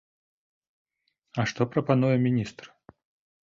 А што прапануе міністр?